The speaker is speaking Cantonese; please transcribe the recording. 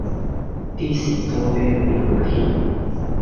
D 士多啤利好甜